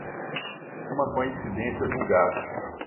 Uma coincidência vulgar